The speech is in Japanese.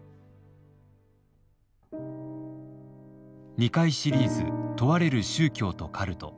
２回シリーズ「問われる宗教と“カルト”」。